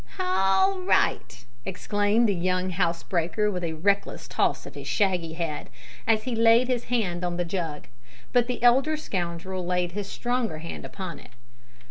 "Hall right!" exclaimed the young housebreaker, with a reckless toss of his shaggy head, as he laid his hand on the jug: but the elder scoundrel laid his stronger hand upon it.